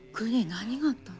何があったの？